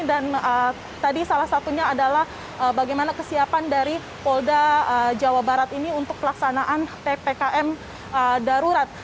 dan tadi salah satunya adalah bagaimana kesiapan dari polda jawa barat ini untuk pelaksanaan ppkm darurat